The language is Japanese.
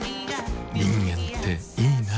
人間っていいナ。